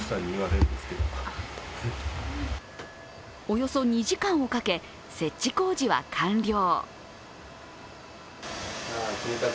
およそ２時間をかけ、設置工事は完了。